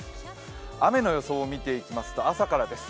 雨の予想を見ていきますと、朝からです。